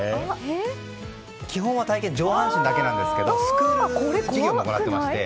基本は体験上半身だけなんですがスクール事業も行っていまして。